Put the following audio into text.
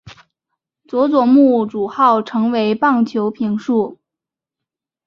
佐佐木主浩成为棒球评述。